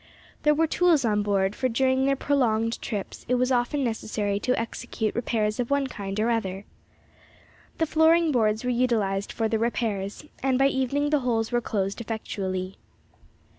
There were tools on board, for during their prolonged trips it was often necessary to execute repairs of one kind or other. The flooring boards were utilised for the repairs, and by evening the holes were closed effectually.